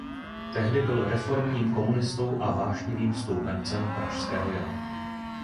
Tehdy byl reformním komunistou a vášnivým stoupencem pražského jara.